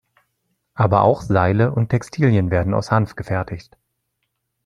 Aber auch Seile und Textilien werden aus Hanf gefertigt.